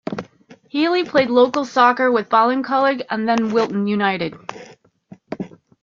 Healy played local soccer with Ballincollig and then Wilton United.